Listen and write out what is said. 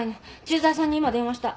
駐在さんに今電話した。